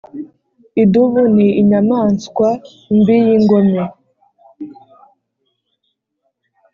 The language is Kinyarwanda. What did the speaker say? Idubu ni inyamanswa mbi yingome